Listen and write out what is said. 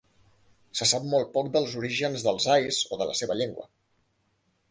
Se sap molt poc dels orígens dels ais o de la seva llengua.